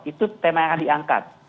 itu tema yang akan diangkat